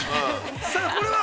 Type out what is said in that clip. さあこれは？